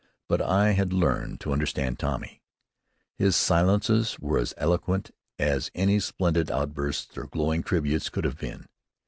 But I had learned to understand Tommy. His silences were as eloquent as any splendid outbursts or glowing tributes could have been.